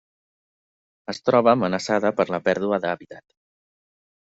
Es troba amenaçada per la pèrdua d'hàbitat.